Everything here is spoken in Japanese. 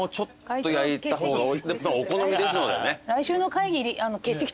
お好みですのでね。